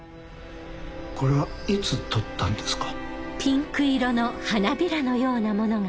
これはいつ撮ったんですか？